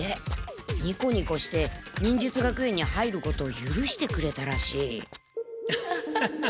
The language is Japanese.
ニコニコして忍術学園に入ることをゆるしてくれたらしい。